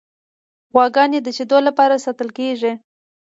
غواګانې د شیدو لپاره ساتل کیږي.